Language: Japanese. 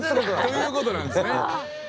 ということなんですね。